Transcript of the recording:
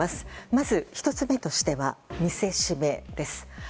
まず１つ目としては見せしめです。